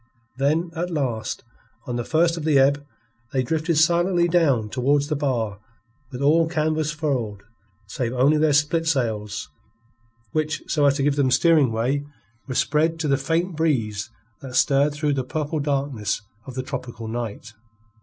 Then, at last, on the first of the ebb, they drifted silently down towards the bar with all canvas furled save only their spiltsails, which, so as to give them steering way, were spread to the faint breeze that stirred through the purple darkness of the tropical night.